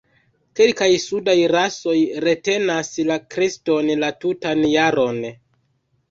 Kelkaj sudaj rasoj retenas la kreston la tutan jaron.